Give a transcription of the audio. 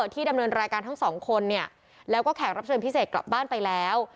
ดำเนินรายการทั้งสองคนเนี่ยแล้วก็แขกรับเชิญพิเศษกลับบ้านไปแล้ว